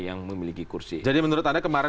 yang memiliki kursi jadi menurut anda kemarin